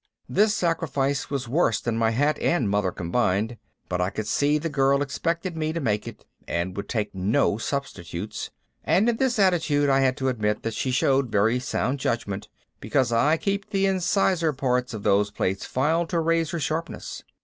This sacrifice was worse than my hat and Mother combined, but I could see the girl expected me to make it and would take no substitutes, and in this attitude I had to admit that she showed very sound judgment, because I keep the incisor parts of those plates filed to razor sharpness.